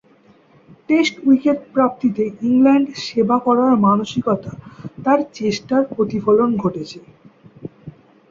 Test wicket প্রাপ্তিতে England সেবা করার মানসিকতা তার চেষ্টার প্রতিফলন ঘটেছে।